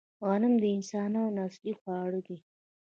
غنم د انسانانو اصلي خواړه دي